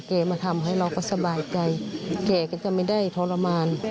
มาทำให้เราก็สบายใจแกก็จะไม่ได้ทรมาน